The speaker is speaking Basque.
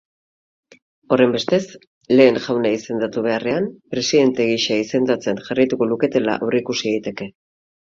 Horrenbestez, lehen jauna izendatu beharrean presidente gisa izendatzen jarraituko luketela aurreikusi daiteke.